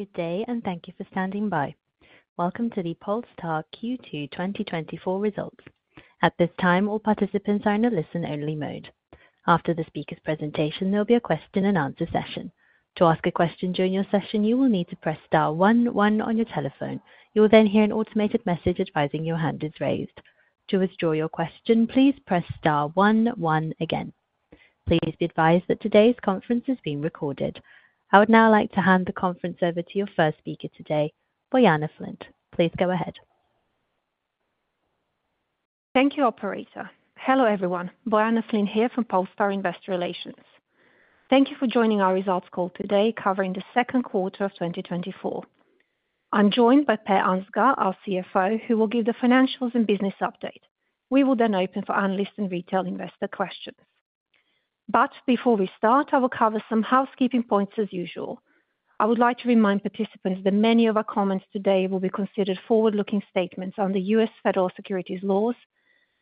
Good day, and thank you for standing by. Welcome to the Polestar Q2 2024 results. At this time, all participants are in a listen-only mode. After the speaker's presentation, there'll be a question and answer session. To ask a question during your session, you will need to press star one one on your telephone. You will then hear an automated message advising your hand is raised. To withdraw your question, please press star one one again. Please be advised that today's conference is being recorded. I would now like to hand the conference over to your first speaker today, Bojana Flint. Please go ahead. Thank you, operator. Hello, everyone. Bojana Flint here from Polestar Investor Relations. Thank you for joining our results call today, covering the second quarter of 2024. I'm joined by Per Ansgar, our CFO, who will give the financials and business update. We will then open for analyst and retail investor questions. But before we start, I will cover some housekeeping points as usual. I would like to remind participants that many of our comments today will be considered forward-looking statements on the U.S. federal securities laws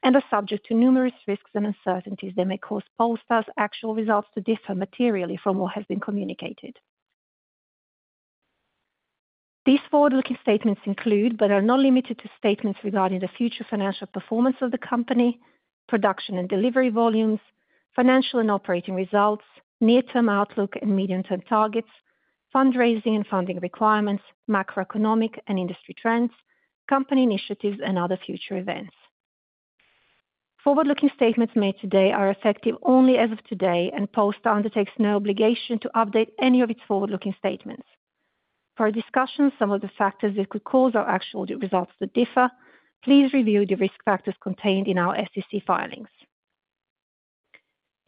and are subject to numerous risks and uncertainties that may cause Polestar's actual results to differ materially from what has been communicated. These forward-looking statements include, but are not limited to, statements regarding the future financial performance of the company, production and delivery volumes, financial and operating results, near-term outlook and medium-term targets, fundraising and funding requirements, macroeconomic and industry trends, company initiatives, and other future events. Forward-looking statements made today are effective only as of today, and Polestar undertakes no obligation to update any of its forward-looking statements. For a discussion on some of the factors that could cause our actual results to differ, please review the risk factors contained in our SEC filings.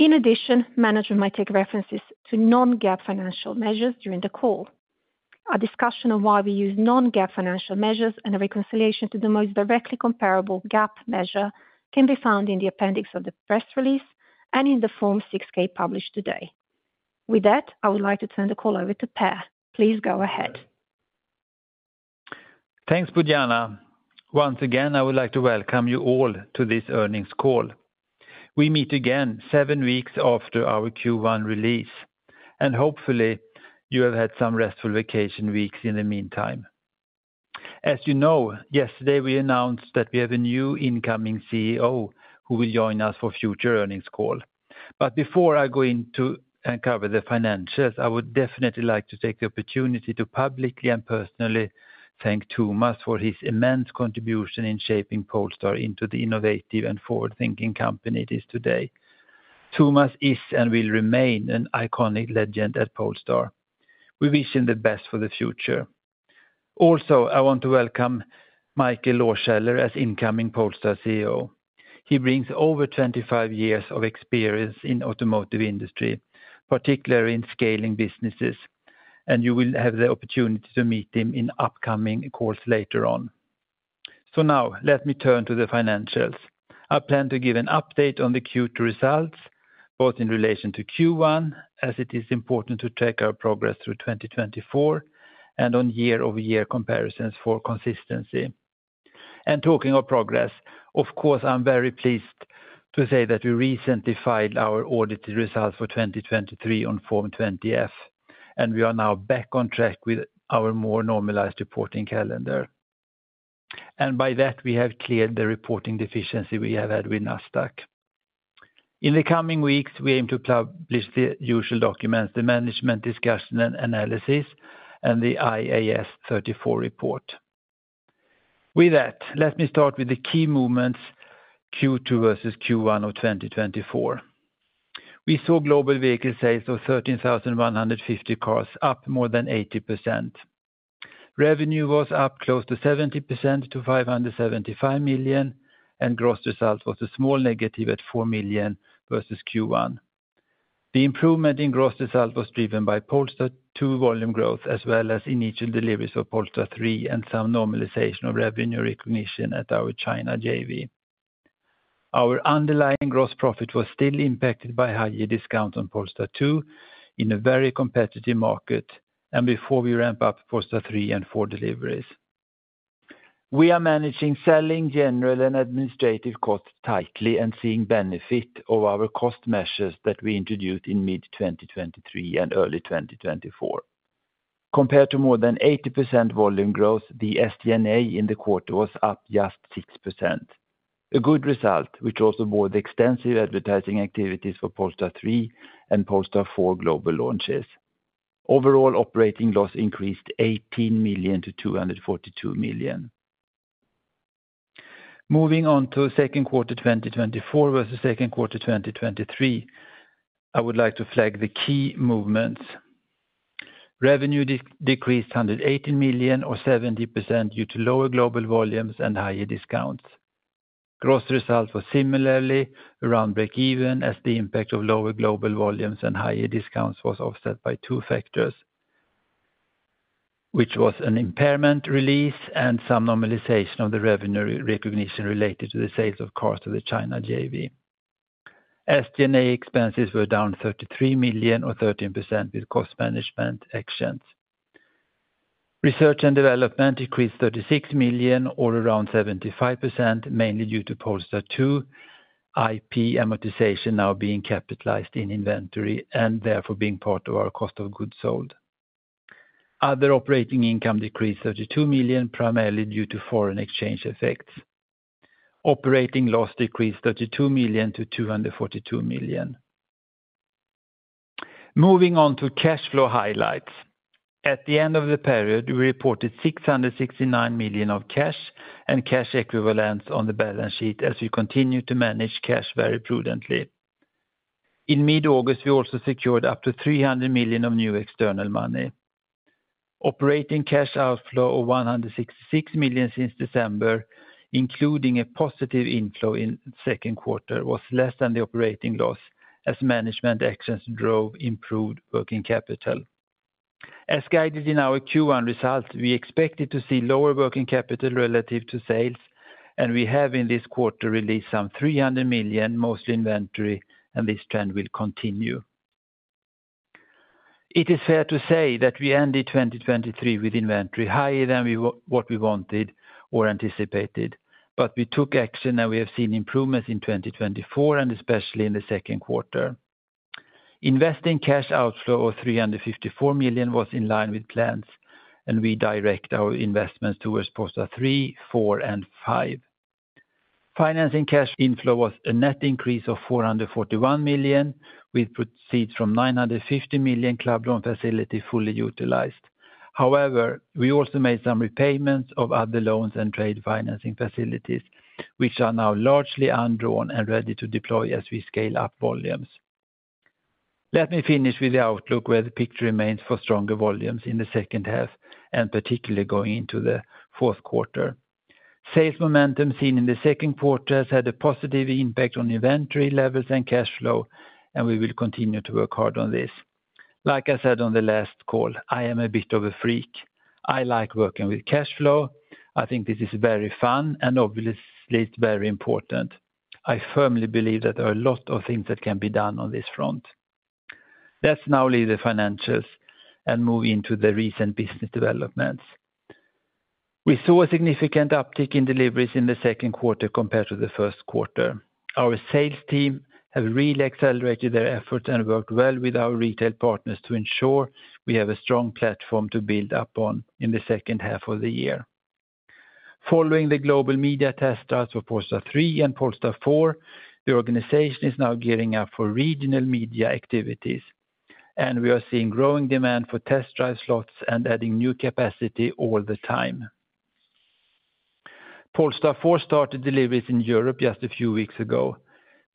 In addition, management might take references to non-GAAP financial measures during the call. A discussion on why we use non-GAAP financial measures and a reconciliation to the most directly comparable GAAP measure can be found in the appendix of the press release and in the Form 6-K published today. With that, I would like to turn the call over to Per. Please go ahead. Thanks, Bojana. Once again, I would like to welcome you all to this earnings call. We meet again seven weeks after our Q1 release, and hopefully you have had some restful vacation weeks in the meantime. As you know, yesterday we announced that we have a new incoming CEO who will join us for future earnings call. But before I go into and cover the financials, I would definitely like to take the opportunity to publicly and personally thank Thomas for his immense contribution in shaping Polestar into the innovative and forward-thinking company it is today. Thomas is and will remain an iconic legend at Polestar. We wish him the best for the future. Also, I want to welcome Mikael Lohscheller as incoming Polestar CEO. He brings over 25 years of experience in automotive industry, particularly in scaling businesses, and you will have the opportunity to meet him in upcoming calls later on, so now let me turn to the financials. I plan to give an update on the Q2 results, both in relation to Q1, as it is important to track our progress through 2024, and on year-over-year comparisons for consistency, and talking of progress, of course, I'm very pleased to say that we recently filed our audited results for twenty twenty-three on Form 20-F, and we are now back on track with our more normalized reporting calendar, and by that, we have cleared the reporting deficiency we have had with NASDAQ. In the coming weeks, we aim to publish the usual documents, the management discussion and analysis, and the IAS 34 report. With that, let me start with the key movements Q2 versus Q1 of 2024. We saw global vehicle sales of 13,100 cars, up more than 80%. Revenue was up close to 70% to $575 million, and gross result was a small negative at $4 million versus Q1. The improvement in gross result was driven by Polestar 2 volume growth, as well as initial deliveries of Polestar 3 and some normalization of revenue recognition at our China JV. Our underlying gross profit was still impacted by higher discounts on Polestar 2 in a very competitive market and before we ramp up Polestar 3 and 4 deliveries. We are managing selling, general, and administrative costs tightly and seeing benefit of our cost measures that we introduced in mid-2023 and early 2024. Compared to more than 80% volume growth, the SG&A in the quarter was up just 6%, a good result, which was despite the extensive advertising activities for Polestar 3 and Polestar 4 global launches. Overall, operating loss increased $18 million to $242 million. Moving on to second quarter 2024 versus second quarter 2023, I would like to flag the key movements. Revenue decreased $118 million, or 70%, due to lower global volumes and higher discounts. Gross result was similarly around break even as the impact of lower global volumes and higher discounts was offset by two factors, which was an impairment release and some normalization of the revenue recognition related to the sales of cars to the China JV. SG&A expenses were down $33 million or 13% with cost management actions. Research and development increased $36 million or around 75%, mainly due to Polestar 2, IP amortization now being capitalized in inventory and therefore being part of our cost of goods sold. Other operating income decreased $32 million, primarily due to foreign exchange effects. Operating loss decreased $32 million to $242 million. Moving on to cash flow highlights. At the end of the period, we reported $669 million of cash and cash equivalents on the balance sheet, as we continue to manage cash very prudently. In mid-August, we also secured up to $300 million of new external money. Operating cash outflow of $166 million since December, including a positive inflow in second quarter, was less than the operating loss as management actions drove improved working capital. As guided in our Q1 results, we expected to see lower working capital relative to sales, and we have in this quarter released some $300 million, mostly inventory, and this trend will continue. It is fair to say that we ended 2023 with inventory higher than we wanted or anticipated, but we took action, and we have seen improvements in 2024 and especially in the second quarter. Investing cash outflow of $354 million was in line with plans, and we direct our investments towards Polestar 3, 4, and 5. Financing cash inflow was a net increase of $441 million, with proceeds from $950 million club loan facility fully utilized. However, we also made some repayments of other loans and trade financing facilities, which are now largely undrawn and ready to deploy as we scale up volumes. Let me finish with the outlook, where the picture remains for stronger volumes in the second half, and particularly going into the fourth quarter. Sales momentum seen in the second quarter has had a positive impact on inventory levels and cash flow, and we will continue to work hard on this. Like I said on the last call, I am a bit of a freak. I like working with cash flow. I think this is very fun and obviously, it's very important. I firmly believe that there are a lot of things that can be done on this front. Let's now leave the financials and move into the recent business developments. We saw a significant uptick in deliveries in the second quarter compared to the first quarter. Our sales team have really accelerated their efforts and worked well with our retail partners to ensure we have a strong platform to build upon in the second half of the year. Following the global media test drives for Polestar 3 and Polestar 4, the organization is now gearing up for regional media activities, and we are seeing growing demand for test drive slots and adding new capacity all the time. Polestar 4 started deliveries in Europe just a few weeks ago.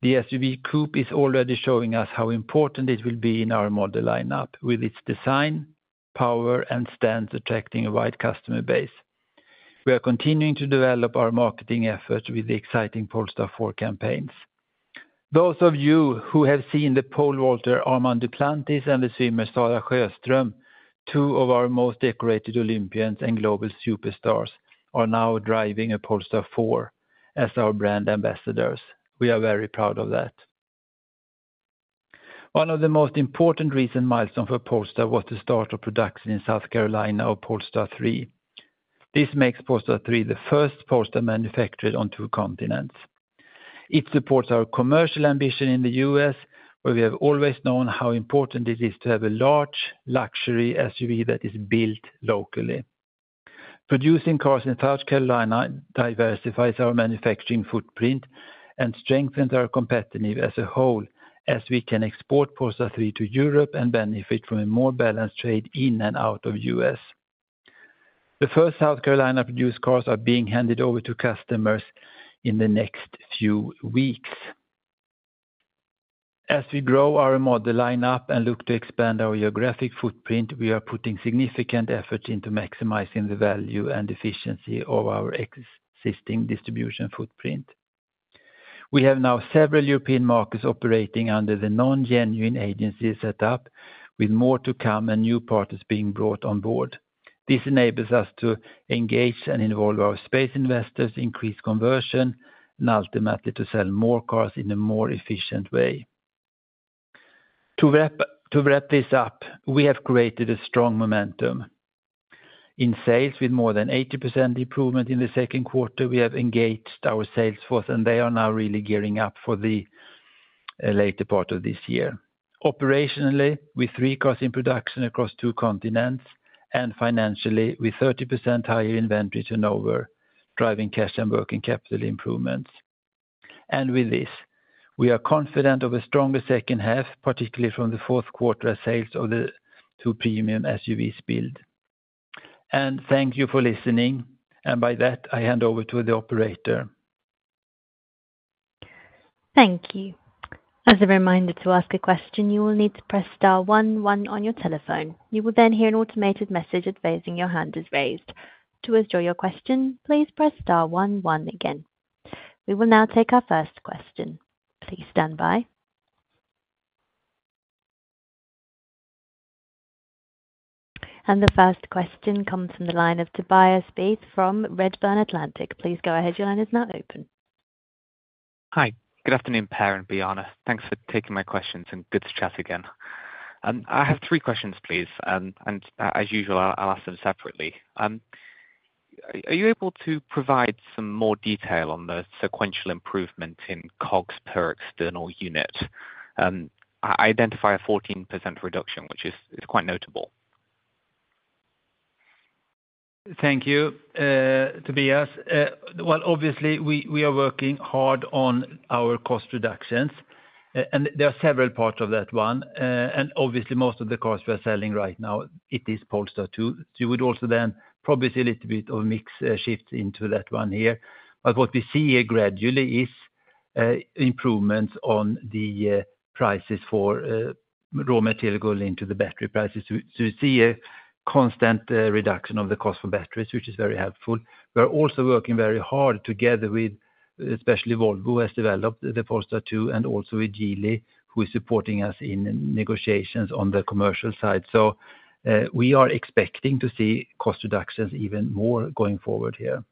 The SUV coupé is already showing us how important it will be in our model lineup, with its design, power, and stance attracting a wide customer base. We are continuing to develop our marketing efforts with the exciting Polestar 4 campaigns. Those of you who have seen the pole vaulter Armand Duplantis and the swimmer Sarah Sjöström, two of our most decorated Olympians and global superstars, are now driving a Polestar 4 as our brand ambassadors. We are very proud of that. One of the most important recent milestone for Polestar was the start of production in South Carolina of Polestar 3. This makes Polestar 3 the first Polestar manufactured on two continents. It supports our commercial ambition in the U.S., where we have always known how important it is to have a large luxury SUV that is built locally. Producing cars in South Carolina diversifies our manufacturing footprint and strengthens our competitive as a whole, as we can export Polestar 3 to Europe and benefit from a more balanced trade in and out of U.S. The first South Carolina produced cars are being handed over to customers in the next few weeks. As we grow our model line up and look to expand our geographic footprint, we are putting significant effort into maximizing the value and efficiency of our existing distribution footprint. We have now several European markets operating under the non-genuine agency setup, with more to come and new partners being brought on board. This enables us to engage and involve our retail investors, increase conversion, and ultimately to sell more cars in a more efficient way. To wrap this up, we have created a strong momentum in sales, with more than 80% improvement in the second quarter. We have engaged our sales force, and they are now really gearing up for the later part of this year. Operationally, with three cars in production across two continents, and financially, with 30% higher inventory turnover, driving cash and working capital improvements. And with this, we are confident of a stronger second half, particularly from the fourth quarter sales of the two premium SUV builds. And thank you for listening, and by that, I hand over to the operator. Thank you. As a reminder to ask a question, you will need to press star one one on your telephone. You will then hear an automated message advising your hand is raised. To withdraw your question, please press star one one again. We will now take our first question. Please stand by. And the first question comes from the line of Tobias Beith from Redburn Atlantic. Please go ahead, your line is now open. Hi, good afternoon, Per and Diana. Thanks for taking my questions, and good to chat again. I have three questions, please, and as usual, I'll ask them separately. Are you able to provide some more detail on the sequential improvement in COGS per external unit? I identify a 14% reduction, which is quite notable. Thank you, Tobias. Well, obviously, we are working hard on our cost reductions, and there are several parts of that one. And obviously, most of the cars we are selling right now, it is Polestar 2. You would also then probably see a little bit of mix shift into that one here. But what we see here gradually is improvements on the prices for raw material going into the battery prices. So we see a constant reduction of the cost of batteries, which is very helpful. We are also working very hard together with, especially Volvo, who has developed the Polestar 2, and also with Geely, who is supporting us in negotiations on the commercial side. So we are expecting to see cost reductions even more going forward here.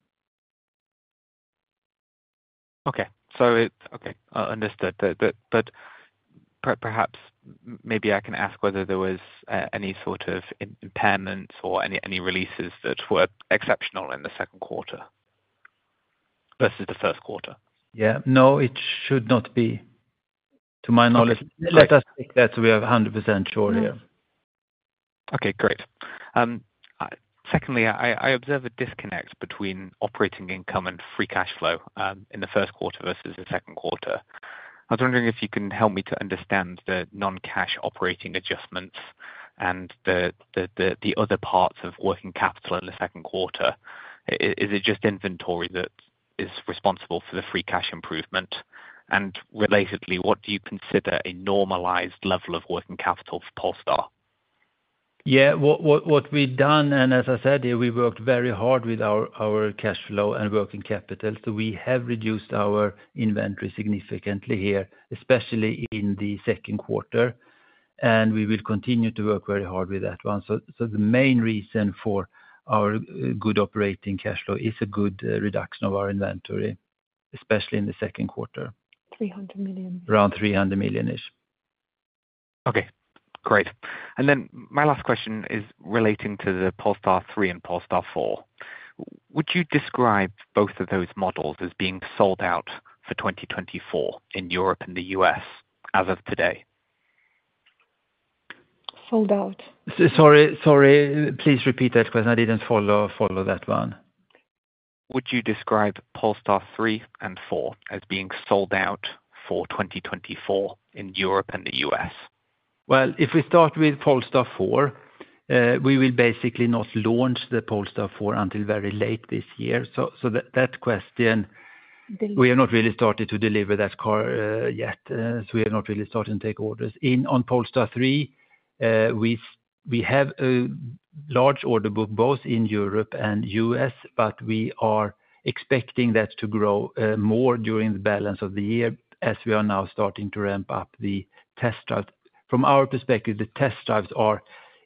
Okay. Understood. But perhaps maybe I can ask whether there was any sort of impairments or any releases that were exceptional in the second quarter versus the first quarter? Yeah. No, it should not be, to my knowledge. Okay. Let us check that we are 100% sure here. Okay, great. Secondly, I observe a disconnect between operating income and free cash flow in the first quarter versus the second quarter. I was wondering if you can help me to understand the non-cash operating adjustments and the other parts of working capital in the second quarter. Is it just inventory that is responsible for the free cash improvement? And relatedly, what do you consider a normalized level of working capital for Polestar? Yeah, what we've done, and as I said, we worked very hard with our cash flow and working capital, so we have reduced our inventory significantly here, especially in the second quarter, and we will continue to work very hard with that one. So, the main reason for our good operating cash flow is a good reduction of our inventory, especially in the second quarter. $300 million. Around $300 million-ish. Okay, great. And then my last question is relating to the Polestar 3 and Polestar 4. Would you describe both of those models as being sold out for 2024 in Europe and the US as of today? Sold out. Sorry, sorry, please repeat that question. I didn't follow that one. Would you describe Polestar 3 and 4 as being sold out for 2024 in Europe and the US? If we start with Polestar 4, we will basically not launch the Polestar 4 until very late this year. So, that question- Deliv- We have not really started to deliver that car yet, so we have not really started to take orders. On Polestar 3, we have a large order book, both in Europe and U.S., but we are expecting that to grow more during the balance of the year, as we are now starting to ramp up the test drive. From our perspective, the test drives are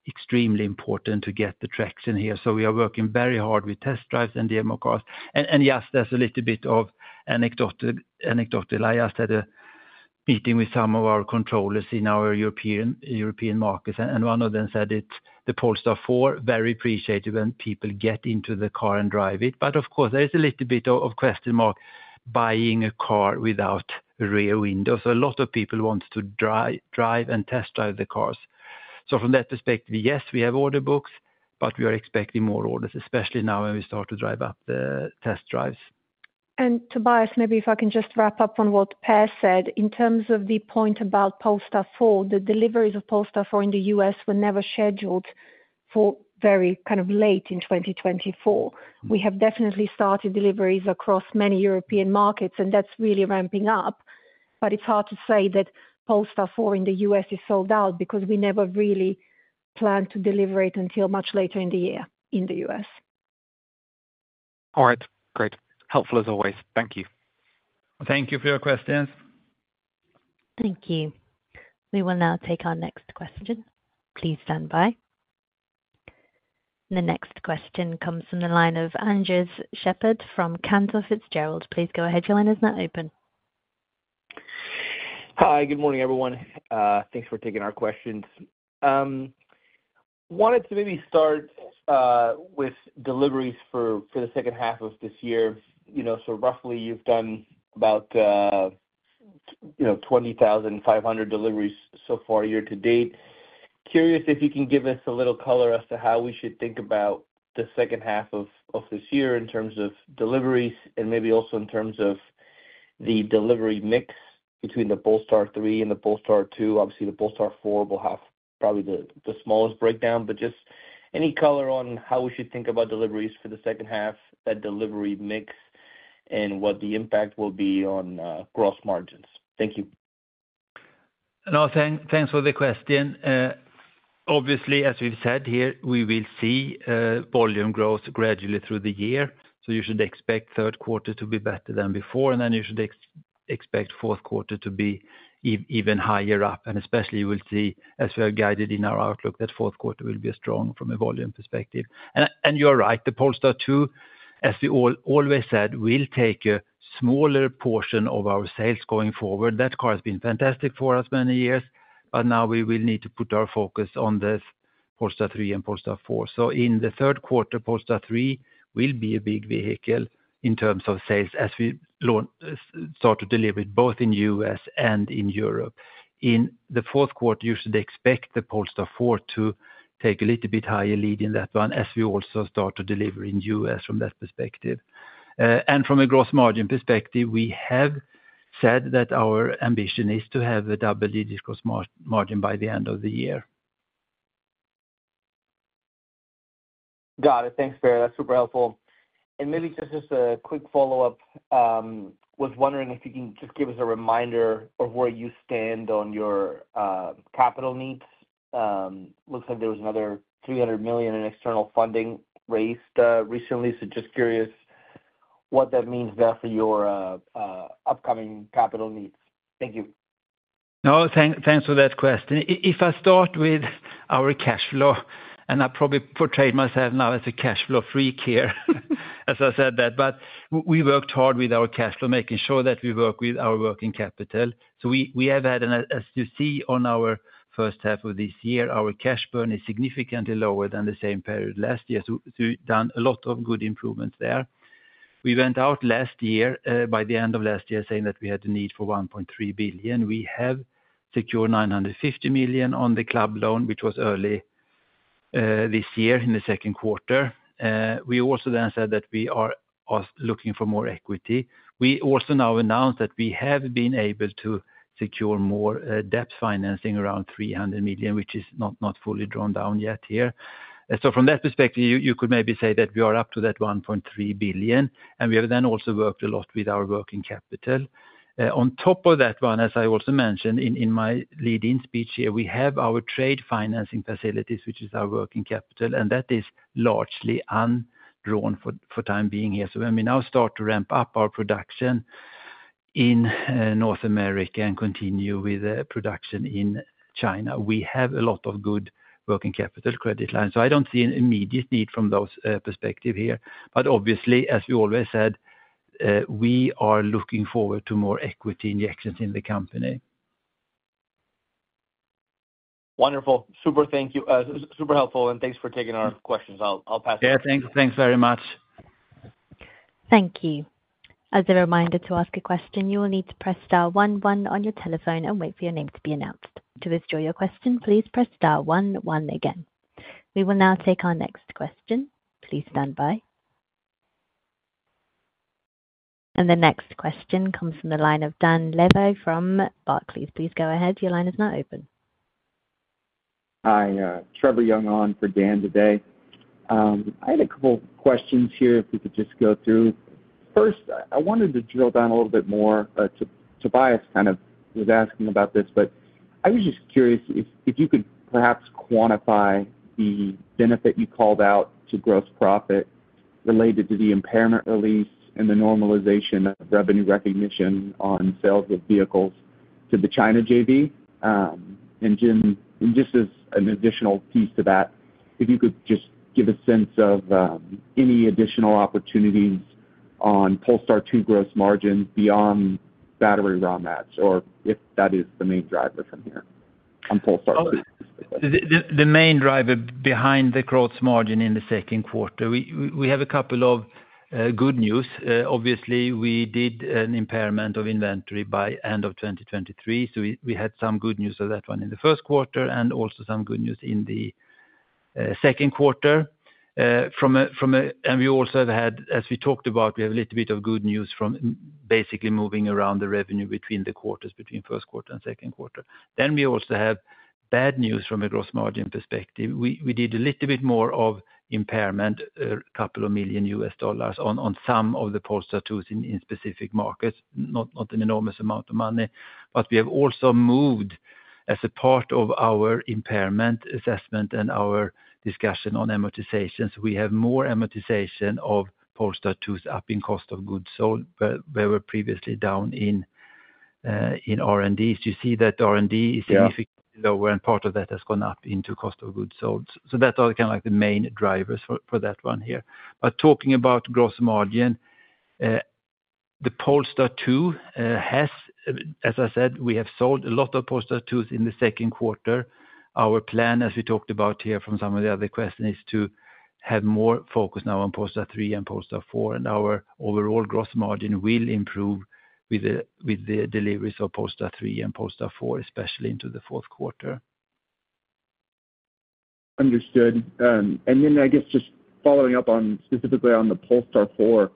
extremely important to get the traction here, so we are working very hard with test drives and demo cars. And yes, there's a little bit of anecdotal. I just had a meeting with some of our controllers in our European markets, and one of them said it, the Polestar 4, very appreciated when people get into the car and drive it. But of course, there is a little bit of a question mark buying a car without rear windows. A lot of people want to try drive and test drive the cars. So from that perspective, yes, we have order books, but we are expecting more orders, especially now when we start to drive up the test drives. And Tobias, maybe if I can just wrap up on what Per said. In terms of the point about Polestar 4, the deliveries of Polestar 4 in the U.S. were never scheduled for very kind of late in 2024. We have definitely started deliveries across many European markets, and that's really ramping up, but it's hard to say that Polestar 4 in the U.S. is sold out, because we never really planned to deliver it until much later in the year in the U.S. All right, great. Helpful as always. Thank you. Thank you for your questions. Thank you. We will now take our next question. Please stand by. The next question comes from the line of Andres Sheppard from Cantor Fitzgerald. Please go ahead. Your line is now open. Hi, good morning, everyone. Thanks for taking our questions. Wanted to maybe start with deliveries for the second half of this year. You know, so roughly you've done about 20,500 deliveries so far year to date. Curious if you can give us a little color as to how we should think about the second half of this year in terms of deliveries, and maybe also in terms of the delivery mix between the Polestar 3 and the Polestar 2. Obviously, the Polestar 4 will have probably the smallest breakdown, but just any color on how we should think about deliveries for the second half, that delivery mix, and what the impact will be on gross margins. Thank you. No, thanks for the question. Obviously, as we've said here, we will see volume growth gradually through the year, so you should expect third quarter to be better than before, and then you should expect fourth quarter to be even higher up, and especially you will see, as we have guided in our outlook, that fourth quarter will be strong from a volume perspective, and you're right, the Polestar 2, as we always said, will take a smaller portion of our sales going forward. That car has been fantastic for us many years, but now we will need to put our focus on this Polestar 3 and Polestar 4, so in the third quarter, Polestar 3 will be a big vehicle in terms of sales as we start to deliver it both in US and in Europe. In the fourth quarter, you should expect the Polestar 4 to take a little bit higher lead in that one, as we also start to deliver in the U.S. from that perspective, and from a gross margin perspective, we have said that our ambition is to have a double-digit gross margin by the end of the year. Got it. Thanks, Per. That's super helpful. And maybe just a quick follow-up. Was wondering if you can just give us a reminder of where you stand on your capital needs? Looks like there was another $300 million in external funding raised recently, so just curious what that means there for your upcoming capital needs. Thank you. No, thanks for that question. If I start with our cash flow, and I probably portrayed myself now as a cash flow freak here, as I said that, but we worked hard with our cash flow, making sure that we work with our working capital. So we have had, and as you see on our first half of this year, our cash burn is significantly lower than the same period last year, so done a lot of good improvements there. We went out last year, by the end of last year, saying that we had the need for $1.3 billion. We have secured $950 million on the club loan, which was early this year, in the second quarter. We also then said that we are looking for more equity. We also now announced that we have been able to secure more debt financing around $300 million, which is not fully drawn down yet here. So from that perspective, you could maybe say that we are up to that $1.3 billion, and we have then also worked a lot with our working capital. On top of that one, as I also mentioned in my lead-in speech here, we have our trade financing facilities, which is our working capital, and that is largely undrawn for time being here. So when we now start to ramp up our production in North America and continue with production in China, we have a lot of good working capital credit lines. So I don't see an immediate need from those perspective here. But obviously, as we always said, we are looking forward to more equity injections in the company. Wonderful. Super thank you. Super helpful, and thanks for taking our questions. I'll pass it on. Yeah, thanks. Thanks very much. Thank you. As a reminder, to ask a question, you will need to press star one one on your telephone and wait for your name to be announced. To withdraw your question, please press star one one again. We will now take our next question. Please stand by, and the next question comes from the line of Dan Levy from Barclays. Please go ahead. Your line is now open. Hi, Trevor Young on for Dan today. I had a couple questions here, if we could just go through. First, I wanted to drill down a little bit more, Tobias kind of was asking about this, but I was just curious if you could perhaps quantify the benefit you called out to gross profit related to the impairment release and the normalization of revenue recognition on sales of vehicles to the China JV. And Jim, just as an additional piece to that, if you could just give a sense of any additional opportunities on Polestar two gross margin beyond battery raw mats, or if that is the main driver from here on Polestar two. The main driver behind the growth margin in the second quarter, we have a couple of good news. Obviously, we did an impairment of inventory by end of 2023, so we had some good news on that one in the first quarter and also some good news in the second quarter. And we also have had, as we talked about, we have a little bit of good news from basically moving around the revenue between the quarters, between first quarter and second quarter. Then we also have bad news from a growth margin perspective. We did a little bit more of impairment, $2 million on some of the Polestar 2s in specific markets, not an enormous amount of money. But we have also moved, as a part of our impairment assessment and our discussion on amortizations, we have more amortization of Polestar 2s up in cost of goods sold, but they were previously down in R&D. Do you see that R&D- Yeah... is significantly lower, and part of that has gone up into cost of goods sold. So that's all kind of like the main drivers for that one here. But talking about gross margin, the Polestar 2 has, as I said, we have sold a lot of Polestar 2s in the second quarter. Our plan, as we talked about here from some of the other questions, is to have more focus now on Polestar 3 and Polestar 4, and our overall gross margin will improve with the deliveries of Polestar 3 and Polestar 4, especially into the fourth quarter. Understood. And then I guess just following up on, specifically on the Polestar 4,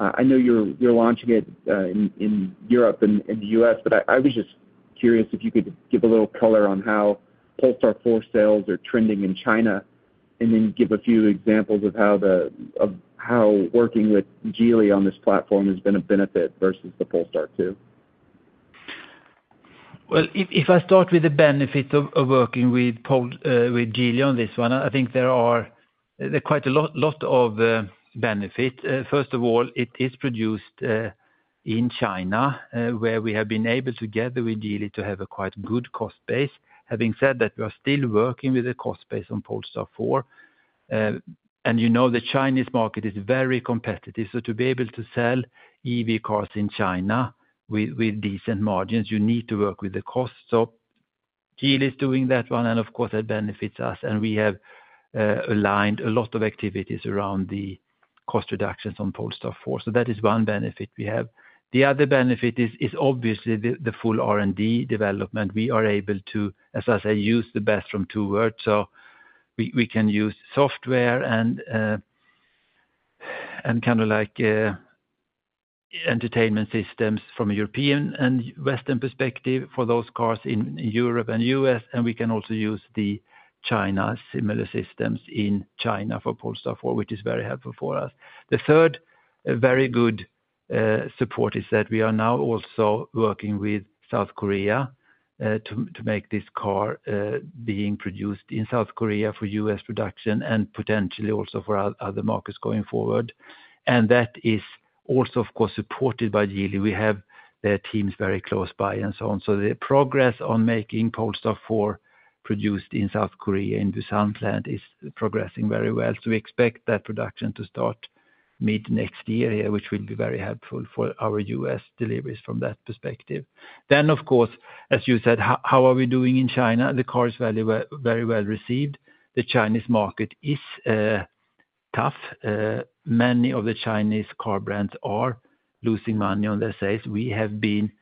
I know you're launching it in Europe and the U.S., but I was just curious if you could give a little color on how Polestar 4 sales are trending in China, and then give a few examples of how working with Geely on this platform has been a benefit versus the Polestar 2. If I start with the benefit of working with Geely on this one, I think there are quite a lot of benefit. First of all, it is produced in China, where we have been able to get with Geely to have a quite good cost base. Having said that, we are still working with the cost base on Polestar 4, and you know, the Chinese market is very competitive, so to be able to sell EV cars in China with decent margins, you need to work with the costs. So Geely is doing that one, and of course, that benefits us, and we have aligned a lot of activities around the cost reductions on Polestar 4. So that is one benefit we have. The other benefit is obviously the full R&D development. We are able to, as I say, use the best from two worlds. We can use software and kind of like entertainment systems from a European and Western perspective for those cars in Europe and U.S., and we can also use the China similar systems in China for Polestar 4, which is very helpful for us. The third very good support is that we are now also working with South Korea to make this car being produced in South Korea for U.S. production and potentially also for other markets going forward. That is also, of course, supported by Geely. We have their teams very close by and so on. The progress on making Polestar 4 produced in South Korea, in Busan plant, is progressing very well. So we expect that production to start mid-next year, which will be very helpful for our U.S. deliveries from that perspective. Then, of course, as you said, how are we doing in China? The car is very well, very well received. The Chinese market is tough. Many of the Chinese car brands are losing money on their sales. We have been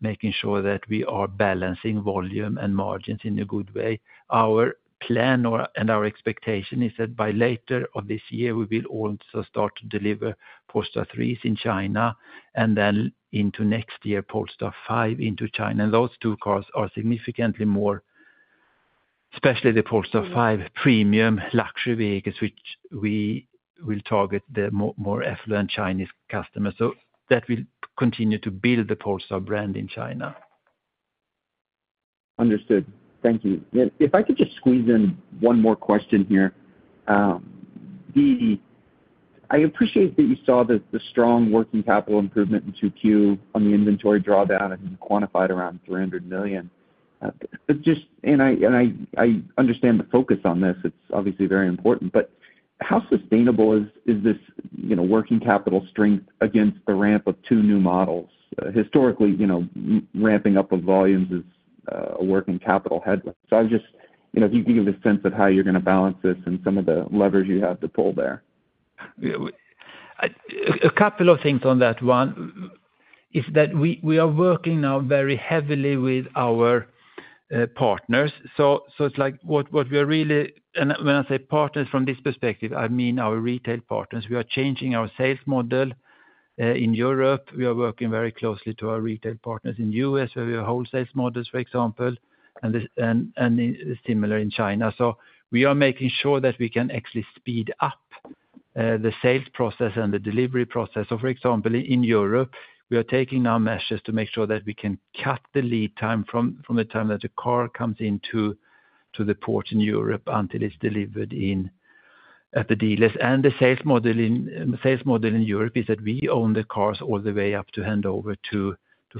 making sure that we are balancing volume and margins in a good way. Our plan and our expectation is that by later this year, we will also start to deliver Polestar 3s in China, and then into next year, Polestar 5 into China. And those two cars are significantly more, especially the Polestar 5 premium luxury vehicles, which we will target the more affluent Chinese customers. So that will continue to build the Polestar brand in China. Understood. Thank you. Yeah, if I could just squeeze in one more question here. I appreciate that you saw the strong working capital improvement in 2Q on the inventory drawdown and quantified around $300 million. But just, and I understand the focus on this, it's obviously very important, but how sustainable is this, you know, working capital strength against the ramp of two new models? Historically, you know, ramping up of volumes is a working capital headwind. So I was just... You know, if you can give a sense of how you're going to balance this and some of the levers you have to pull there. Yeah, a couple of things on that one is that we are working now very heavily with our partners. So it's like what we are really, and when I say partners from this perspective, I mean our retail partners. We are changing our sales model. In Europe, we are working very closely to our retail partners. In U.S., we have a wholesale models, for example, and similar in China. So we are making sure that we can actually speed up the sales process and the delivery process. So for example, in Europe, we are taking now measures to make sure that we can cut the lead time from the time that the car comes into the port in Europe, until it's delivered at the dealers. And the sales model in Europe is that we own the cars all the way up to handover to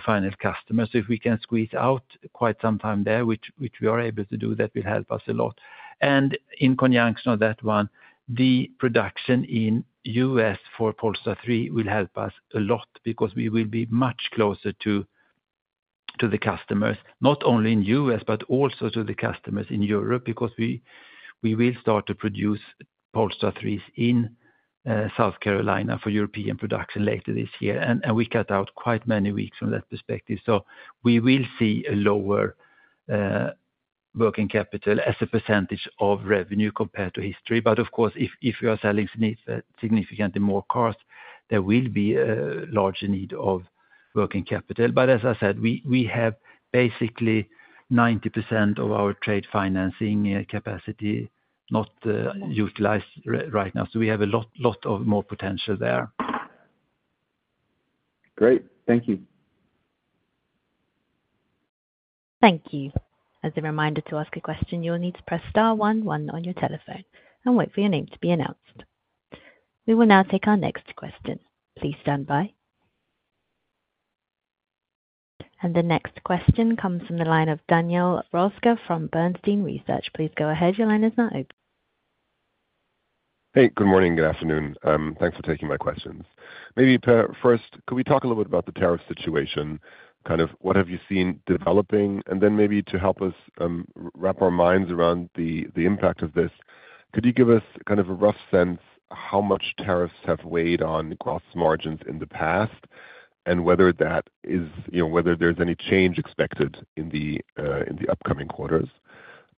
finance customers. So if we can squeeze out quite some time there, which we are able to do, that will help us a lot. In conjunction of that one, the production in U.S. for Polestar 3 will help us a lot because we will be much closer to the customers, not only in U.S., but also to the customers in Europe, because we will start to produce Polestar 3s in South Carolina for European production later this year. And we cut out quite many weeks from that perspective. So we will see a lower working capital as a percentage of revenue compared to history. But of course, if you are selling significantly more cars, there will be a larger need of working capital. But as I said, we have basically 90% of our trade financing capacity not utilized right now, so we have a lot more potential there. Great. Thank you. Thank you. As a reminder, to ask a question, you will need to press star one one on your telephone and wait for your name to be announced. We will now take our next question. Please stand by, and the next question comes from the line of Daniel Roeska from Bernstein Research. Please go ahead. Your line is now open. Hey, good morning, good afternoon. Thanks for taking my questions. Maybe, Per, first, could we talk a little bit about the tariff situation? Kind of, what have you seen developing, and then maybe to help us wrap our minds around the impact of this, could you give us kind of a rough sense how much tariffs have weighed on gross margins in the past, and whether that is, you know, whether there's any change expected in the upcoming quarters,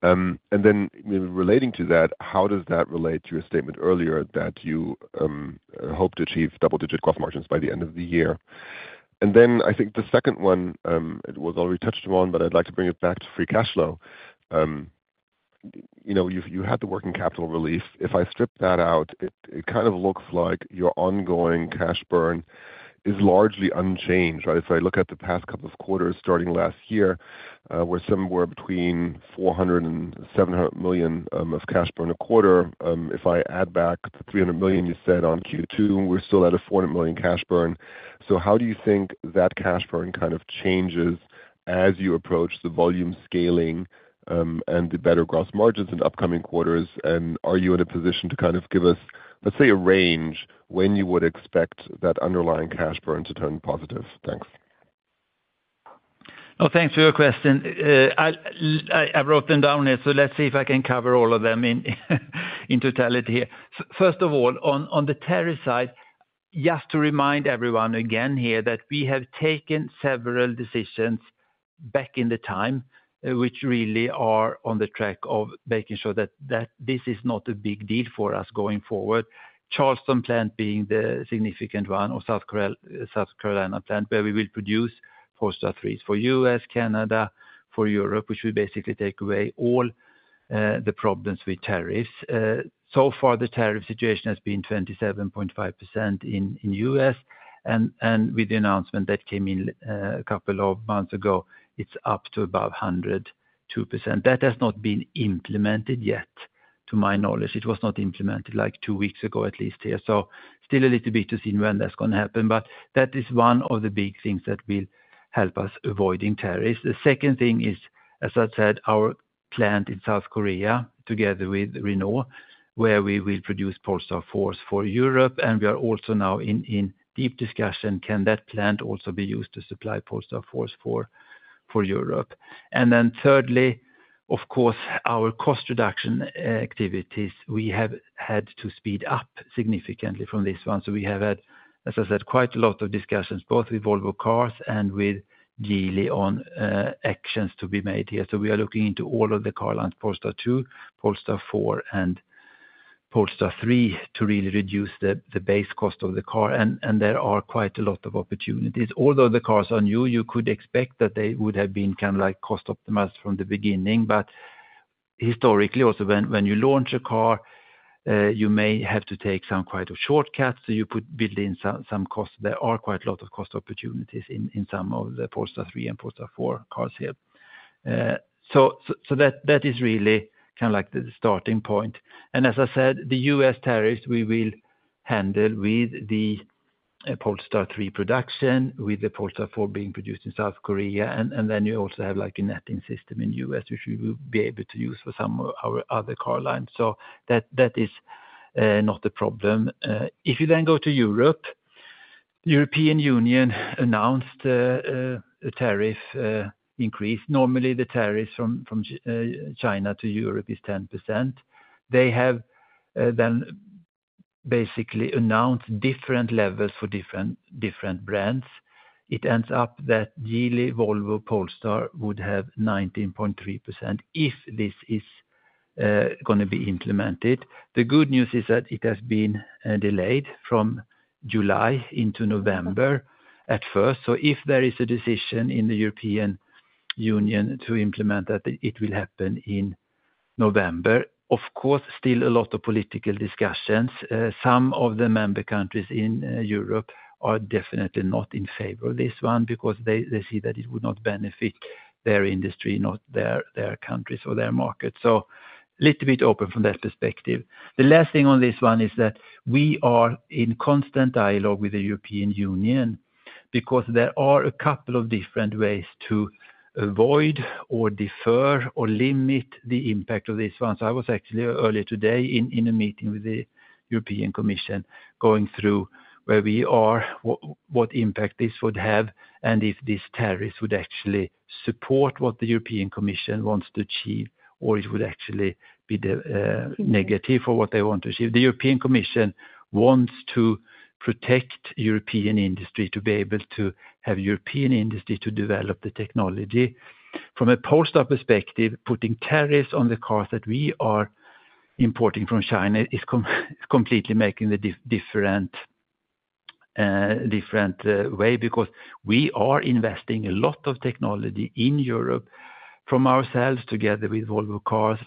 and then relating to that, how does that relate to your statement earlier, that you hoped to achieve double-digit gross margins by the end of the year, and then I think the second one, it was already touched on, but I'd like to bring it back to free cash flow. You know, you've had the working capital relief. If I strip that out, it kind of looks like your ongoing cash burn is largely unchanged, right? If I look at the past couple of quarters starting last year, we're somewhere between $400 million and $700 million of cash burn a quarter. If I add back the $300 million you said on Q2, we're still at a $400 million cash burn. So how do you think that cash burn kind of changes as you approach the volume scaling and the better gross margins in the upcoming quarters? And are you in a position to kind of give us a range, let's say, when you would expect that underlying cash burn to turn positive? Thanks. Oh, thanks for your question. I wrote them down here, so let's see if I can cover all of them in totality here. First of all, on the tariff side, just to remind everyone again here that we have taken several decisions back in the time, which really are on the track of making sure that this is not a big deal for us going forward. Charleston plant being the significant one, or South Carolina plant, where we will produce Polestar 3 for U.S., Canada, for Europe, which will basically take away all the problems with tariffs. So far, the tariff situation has been 27.5% in U.S., and with the announcement that came in a couple of months ago, it's up to about 102%. That has not been implemented yet, to my knowledge. It was not implemented, like, two weeks ago, at least here. So still a little bit to see when that's gonna happen, but that is one of the big things that will help us avoiding tariffs. The second thing is, as I said, our plant in South Korea, together with Renault, where we will produce Polestar 4 for Europe, and we are also now in deep discussion. Can that plant also be used to supply Polestar 4 for Europe? And then thirdly, of course, our cost reduction activities. We have had to speed up significantly from this one. So we have had, as I said, quite a lot of discussions, both with Volvo Cars and with Geely on actions to be made here. We are looking into all of the car lines, Polestar 2, Polestar 4, and Polestar 3, to really reduce the base cost of the car, and there are quite a lot of opportunities. Although the cars are new, you could expect that they would have been kind of like cost optimized from the beginning, but historically also, when you launch a car, you may have to take some shortcuts, so you build in some costs. There are quite a lot of cost opportunities in some of the Polestar 3 and Polestar 4 cars here. So that is really kind of like the starting point, and as I said, the U.S. tariffs, we will handle with the Polestar 3 production, with the Polestar 4 being produced in South Korea, and then you also have, like, a netting system in U.S., which we will be able to use for some of our other car lines. So that is not the problem. If you then go to Europe, the European Union announced a tariff increase. Normally, the tariffs from China to Europe is 10%. They have then basically announced different levels for different brands. It ends up that Geely, Volvo, Polestar would have 19.3% if this is gonna be implemented. The good news is that it has been delayed from July into November at first. So if there is a decision in the European Union to implement that, it will happen in November. Of course, still a lot of political discussions. Some of the member countries in Europe are definitely not in favor of this one, because they see that it would not benefit their industry, not their countries or their market. So little bit open from that perspective. The last thing on this one is that we are in constant dialogue with the European Union, because there are a couple of different ways to avoid or defer or limit the impact of this one. So I was actually earlier today in a meeting with the European Commission, going through where we are, what impact this would have, and if these tariffs would actually support what the European Commission wants to achieve, or it would actually be the negative for what they want to achieve. The European Commission wants to protect European industry, to be able to have European industry to develop the technology. From a Polestar perspective, putting tariffs on the cars that we are importing from China is completely making the different way, because we are investing a lot of technology in Europe from ourselves, together with Volvo Cars,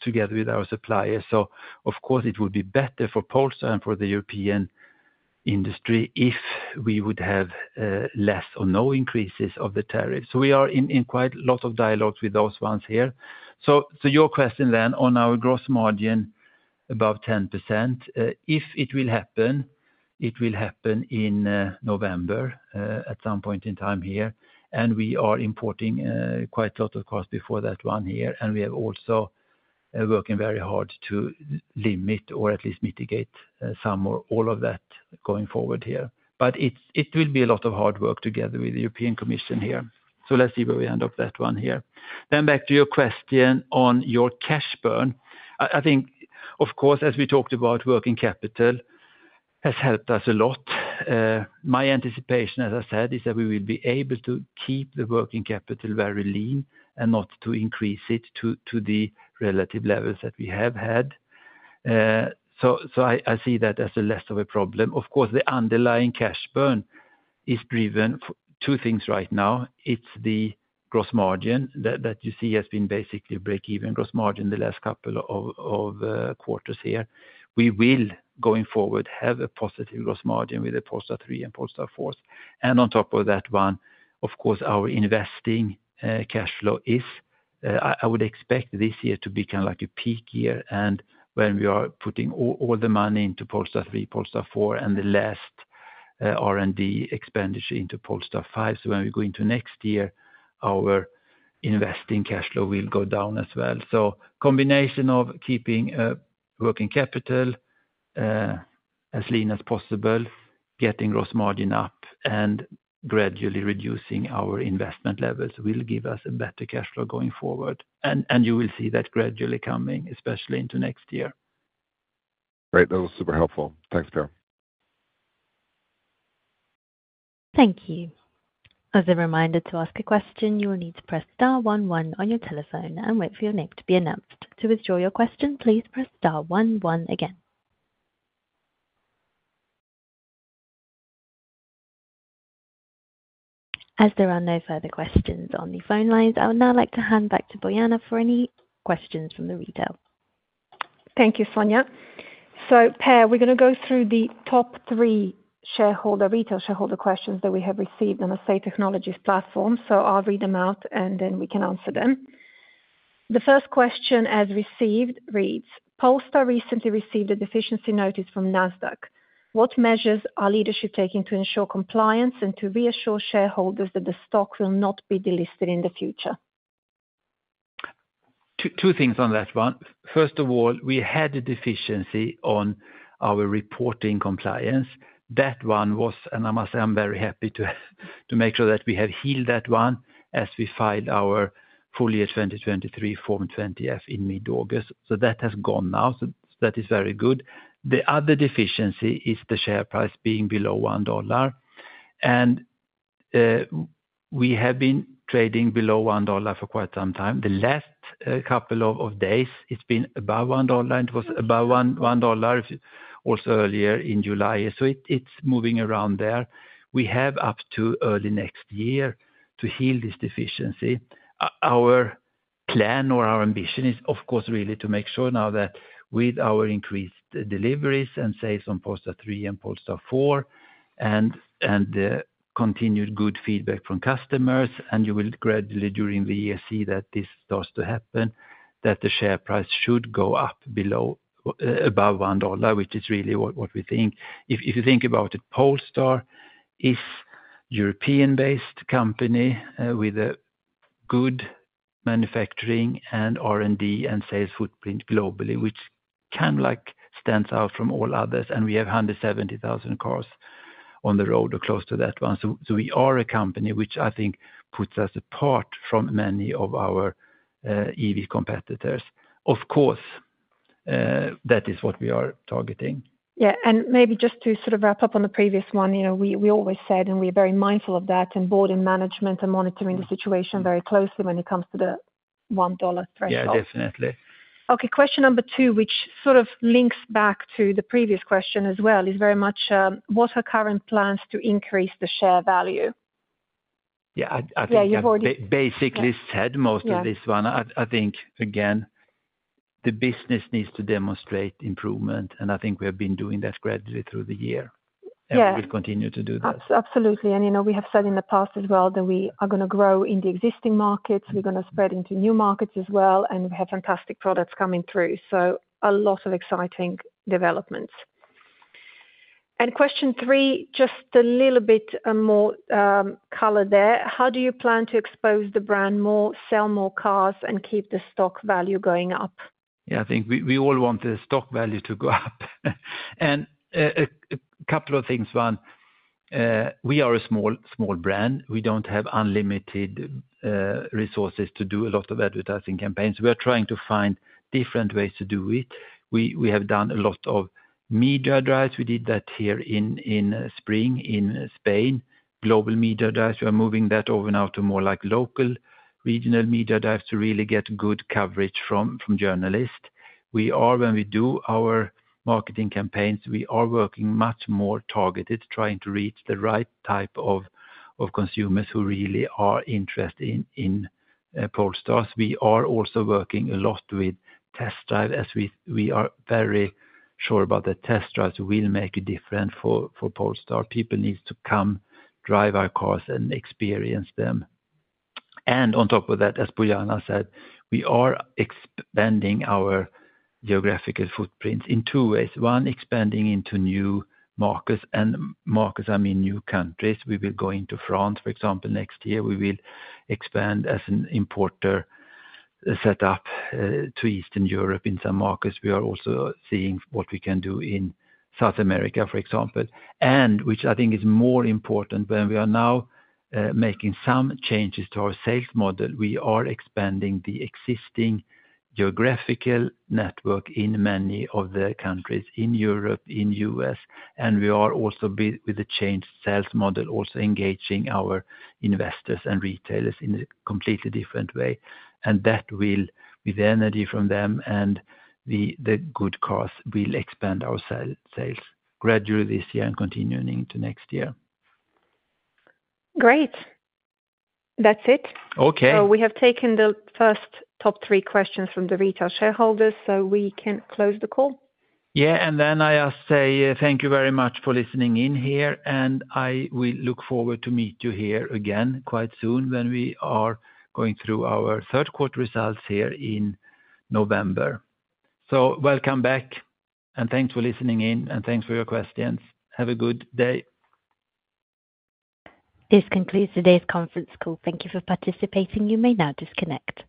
together with our suppliers. So of course, it would be better for Polestar and for the European industry if we would have less or no increases of the tariff. So we are in quite a lot of dialogues with those ones here. So your question then, on our gross margin, about 10%, if it will happen, it will happen in November, at some point in time here, and we are importing quite a lot of cars before that one here, and we are also working very hard to limit or at least mitigate some or all of that going forward here. But it will be a lot of hard work together with the European Commission here. So let's see where we end up that one here. Then back to your question on your cash burn. I think, of course, as we talked about, working capital has helped us a lot. My anticipation, as I said, is that we will be able to keep the working capital very lean and not to increase it to the relative levels that we have had. So I see that as less of a problem. Of course, the underlying cash burn is driven by two things right now. It's the gross margin that you see has been basically break even gross margin the last couple of quarters here. We will, going forward, have a positive gross margin with the Polestar 3 and Polestar 4. And on top of that one, of course, our investing cash flow is. I would expect this year to be kind of like a peak year, and when we are putting all the money into Polestar 3, Polestar 4, and the last R&D expenditure into Polestar 5. So when we go into next year, our investing cash flow will go down as well. So combination of keeping working capital as lean as possible, getting gross margin up and gradually reducing our investment levels will give us a better cash flow going forward. And you will see that gradually coming, especially into next year. Great. That was super helpful. Thanks, Per. Thank you. As a reminder to ask a question, you will need to press star one one on your telephone and wait for your name to be announced. To withdraw your question, please press star one one again. As there are no further questions on the phone lines, I would now like to hand back to Bojana for any questions from the retail. Thank you, Sonia. So, Per, we're gonna go through the top three shareholder - retail shareholder questions that we have received on the Say Technologies platform. So I'll read them out, and then we can answer them. The first question as received reads: Polestar recently received a deficiency notice from NASDAQ. What measures are leadership taking to ensure compliance and to reassure shareholders that the stock will not be delisted in the future? Two things on that one. First of all, we had a deficiency on our reporting compliance. That one was, and I must say, I'm very happy to make sure that we have healed that one as we filed our full year 2023 Form 20-F in mid-August. So that has gone now, so that is very good. The other deficiency is the share price being below $1. And we have been trading below $1 for quite some time. The last couple of days, it's been above $1, and it was above $1 also earlier in July. So it's moving around there. We have up to early next year to heal this deficiency. Our plan or our ambition is, of course, really to make sure now that with our increased deliveries and sales on Polestar 3 and Polestar 4, and continued good feedback from customers, and you will gradually during the year see that this starts to happen, that the share price should go up below, above $1, which is really what we think. If you think about it, Polestar is European-based company with a good manufacturing and R&D and sales footprint globally, which kind of like stands out from all others, and we have 170,000 cars on the road, or close to that one. So we are a company which I think puts us apart from many of our EV competitors. Of course, that is what we are targeting. Yeah, and maybe just to sort of wrap up on the previous one, you know we always said, and we're very mindful of that, and board and management are monitoring the situation very closely when it comes to the one dollar threshold. Yeah, definitely. Okay, question number two, which sort of links back to the previous question as well, is very much: What are current plans to increase the share value? Yeah, I think- Yeah, you've already- Basically said most of this one. Yeah. I think, again, the business needs to demonstrate improvement, and I think we have been doing that gradually through the year. Yeah. We'll continue to do that. Absolutely. And, you know, we have said in the past as well, that we are gonna grow in the existing markets. We're gonna spread into new markets as well, and we have fantastic products coming through. So a lot of exciting developments. And question three, just a little bit more color there: How do you plan to expose the brand more, sell more cars, and keep the stock value going up? Yeah, I think we all want the stock value to go up, and a couple of things. One, we are a small, small brand. We don't have unlimited resources to do a lot of advertising campaigns. We are trying to find different ways to do it. We have done a lot of media drives. We did that here in spring in Spain, global media drives. We are moving that over now to more like local, regional media drives to really get good coverage from journalists. When we do our marketing campaigns, we are working much more targeted, trying to reach the right type of consumers who really are interested in Polestars. We are also working a lot with test drive, as we are very sure about the test drives will make a difference for Polestar. People needs to come drive our cars and experience them. And on top of that, as Bojana said, we are expanding our geographical footprints in two ways. One, expanding into new markets, and markets, I mean, new countries. We will go into France, for example, next year. We will expand as an importer, set up to Eastern Europe in some markets. We are also seeing what we can do in South America, for example. And which I think is more important, when we are now making some changes to our sales model, we are expanding the existing geographical network in many of the countries in Europe, in U.S., and we are also with the changed sales model, also engaging our investors and retailers in a completely different way. That will, with the energy from them and the good cars, expand our sales gradually this year and continuing into next year. Great! That's it. Okay. So we have taken the first top three questions from the retail shareholders, so we can close the call. Yeah, and then I just say, thank you very much for listening in here, and I will look forward to meet you here again quite soon, when we are going through our third quarter results here in November. So welcome back, and thanks for listening in, and thanks for your questions. Have a good day. This concludes today's conference call. Thank you for participating. You may now disconnect.